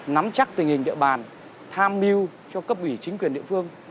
nắm chắc tình hình địa bàn tham mưu cho cấp ủy chính quyền địa phương